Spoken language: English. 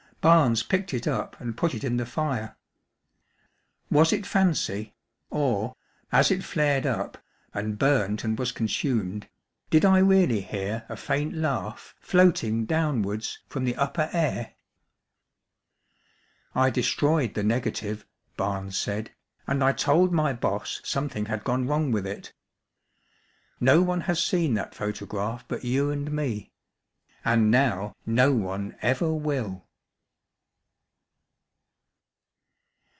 Barnes picked it up and put it in the fire. Was it fancy or, as it flared up, and burnt and was consumed, did I really hear a faint laugh floating downwards from the upper air? "I destroyed the negative," Barnes said, "and I told my boss something had gone wrong with it. No one has seen that photograph but you and me, and now no one ever will."